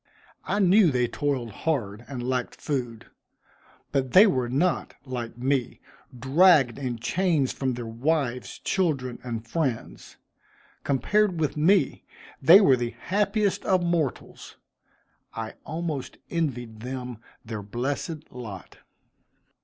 I knew they toiled hard and lacked food; but they were not, like me, dragged in chains from their wives, children and friends. Compared with me, they were the happiest of mortals. I almost envied them their blessed lot.